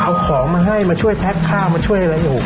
เอาของมาให้มาช่วยแพ็คข้าวมาช่วยอะไรอยู่